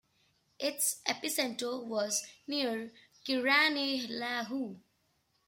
Its epicenter was near Curanilahue.